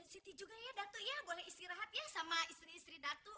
siti juga ya datu ya boleh istirahat ya sama istri istri datu